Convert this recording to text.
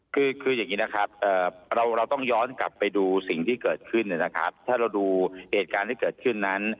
คืออย่างนี้นะครับเราต้องย้อนกลับไปดูสิ่งที่เกิดขึ้นนะครับถ้าเราดูเหตุการณ์ที่เกิดขึ้นนั้น